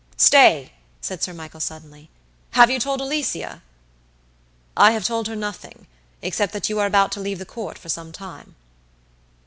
"Stay!" said Sir Michael, suddenly; "have you told Alicia?" "I have told her nothing, except that you are about to leave the Court for some time."